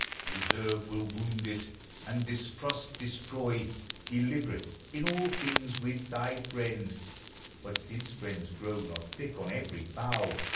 Reserve will wound it; and distrust, destroy Deliberate in all things with thy friend, But since friends grow not thick on every bough.